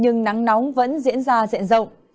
nhưng nắng nóng vẫn diễn ra dẹn rộng